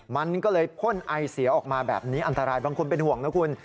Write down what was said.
มันก็เลยพ่นไอเสียออกมาแบบนี้อันตรายบางคนเป็นห่วงนะคุณ